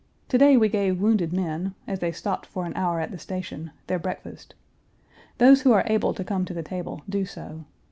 To day we gave wounded men, as they stopped for an hour at the station, their breakfast. Those who are able to come to the table do so.